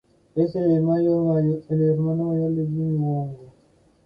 Es el hermano mayor de Jimmy Wong.